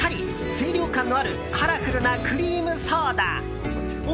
清涼感のあるカラフルなクリームソーダを